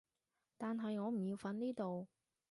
但係我唔要瞓呢度